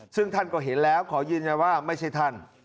ซึ่งท่านก็เห็นแล้วขอยืนยันว่าไม่ใช่ท่าน